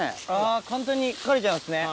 簡単に刈れちゃいますね。